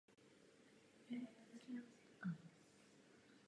Tohle není v Evropském parlamentu zvykem!